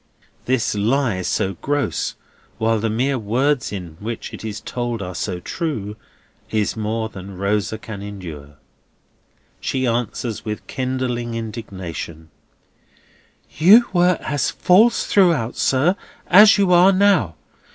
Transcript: This lie, so gross, while the mere words in which it is told are so true, is more than Rosa can endure. She answers with kindling indignation: "You were as false throughout, sir, as you are now.